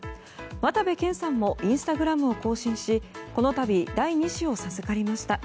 渡部建さんもインスタグラムを更新しこの度第２子を授かりました。